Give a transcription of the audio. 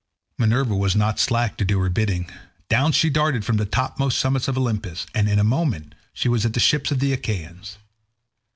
Minerva was not slack to do her bidding. Down she darted from the topmost summits of Olympus, and in a moment she was at the ships of the Achaeans.